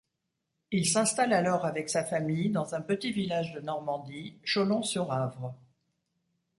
Il s’installe alors avec sa famille dans un petit village de Normandie, Cholong-sur-Avre.